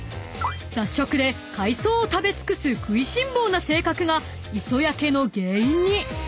［雑食で海藻を食べ尽くす食いしん坊な性格が磯焼けの原因に］